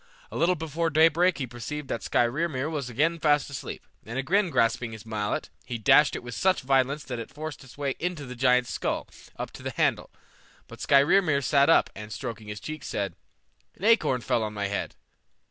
A little before daybreak he perceived that Skrymir was again fast asleep, and again grasping his mallet, he dashed it with such violence that it forced its way into the giant's skull up to the handle. But Skrymir sat up, and stroking his cheek said, "An acorn fell on my head.